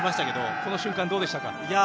この瞬間、どうでしたか。